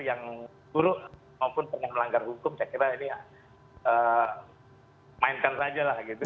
saya punya riwayat karir yang buruk maupun pernah melanggar hukum saya kira ini ya mainkan saja lah gitu